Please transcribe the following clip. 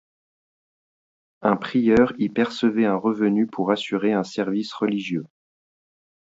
Un prieur y percevait un revenu pour assurer un service religieux.